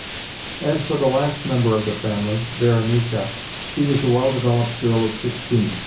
As for the last member of the family, Varenika, she was a well developed girl of sixteen.